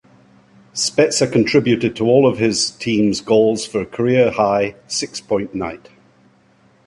Spezza contributed to all of his team's goals, for a career-high six-point night.